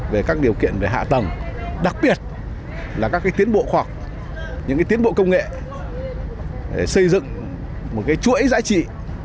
về các điều kiện về hạ tầng đặc biệt là các tiến bộ khoảng những tiến bộ công nghệ để xây dựng một chuỗi giá trị